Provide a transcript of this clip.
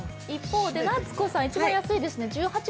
一方で夏子さん、一番安いですね。